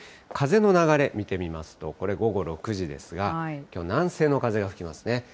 風の流れ、見てみますと、これ、午後６時ですが、きょう、南西の風が吹きますね。